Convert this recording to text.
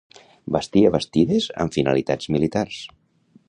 Bastia bastides amb finalitats militars.